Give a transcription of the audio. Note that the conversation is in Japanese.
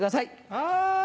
はい